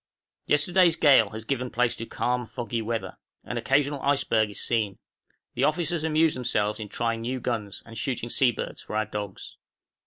Yesterday's gale has given place to calm foggy weather. An occasional iceberg is seen. The officers amuse themselves in trying new guns, and shooting sea birds for our dogs.